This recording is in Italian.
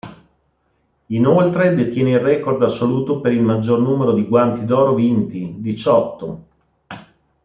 Inoltre detiene il record assoluto per il maggior numero di Guanti d'oro vinti, diciotto.